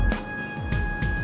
bisa bang ojak